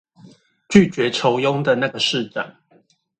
拒絕酬庸的那個市長